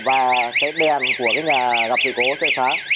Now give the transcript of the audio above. và cái đèn của cái nhà gặp dự cố sẽ sáng